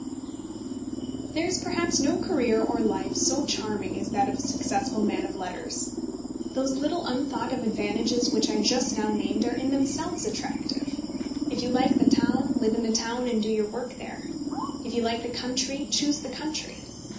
There is perhaps no career of life so charming as that of a successful man of letters. Those little unthought of advantages which I just now named are in themselves attractive. If you like the town, live in the town, and do your work there; if you like the country, choose the country.